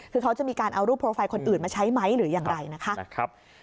คือเขาจะมีการเอารูปโปรไฟล์คนอื่นมาใช้ไหมหรืออย่างไรนะคะ